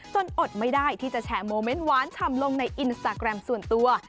อดไม่ได้ที่จะแชร์โมเมนต์หวานฉ่ำลงในอินสตาแกรมส่วนตัว